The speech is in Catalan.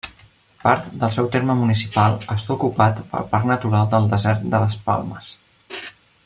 Part del seu terme municipal està ocupat pel Parc Natural del Desert de les Palmes.